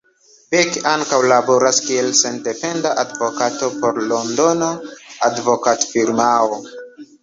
Beck ankaŭ laboras kiel sendependa advokato por Londona advokatfirmao.